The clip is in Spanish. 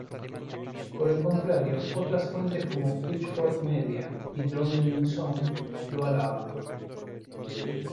Por el contrario otras fuentes como Pitchfork Media y Drowned in Sound, lo alaban.